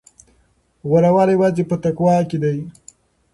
غوره والی یوازې په تقوی کې دی.